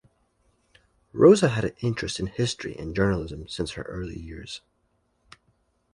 Rosa had an interest in history and journalism since her early years.